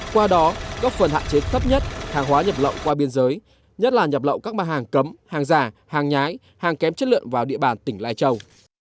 qua đó góp phần hạn chế thấp nhất hàng hóa nhập lậu qua biên giới nhất là nhập lậu các mặt hàng cấm hàng giả hàng nhái hàng kém chất lượng vào địa bàn tỉnh lai châu